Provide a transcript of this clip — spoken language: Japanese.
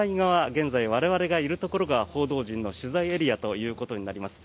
現在、我々がいるところが報道陣の取材エリアということになります。